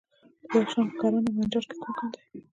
د بدخشان په کران او منجان کې کوم کان دی؟